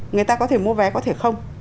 người ta có thể mua vé có thể không